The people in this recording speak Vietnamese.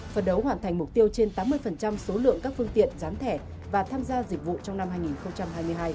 phần đấu hoàn thành mục tiêu trên tám mươi số lượng các phương tiện gián thẻ và tham gia dịch vụ trong năm hai nghìn hai mươi hai